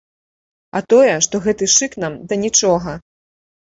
А тое, што гэты шык нам да нічога.